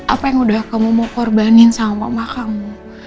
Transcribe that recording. apa yang udah kamu mau korbanin sama mama kamu